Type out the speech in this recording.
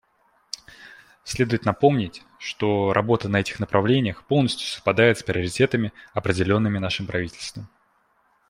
Следует напомнить, что работа на этих направлениях полностью совпадает с приоритетами, определенными нашим правительством.